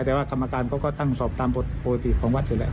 แต่ว่ากรรมการเขาก็ตั้งสอบตามปกติของวัดอยู่แล้ว